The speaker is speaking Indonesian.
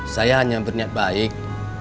saya hanya berniat baik